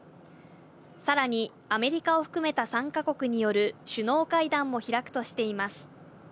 さらにアメリカを含めた３か国による首脳会談も開くとしています。